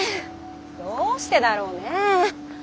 どうしてだろうね。